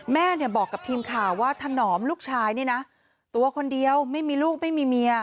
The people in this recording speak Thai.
แม่บอกกับทีมข่าวว่าถนอมลูกชายนี่นะตัวคนเดียวไม่มีลูกไม่มีเมีย